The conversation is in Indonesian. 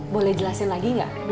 boleh jelasin lagi gak